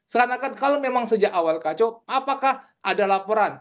seakan akan kalau memang sejak awal kacau apakah ada laporan